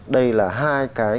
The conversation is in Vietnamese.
đây là hai cái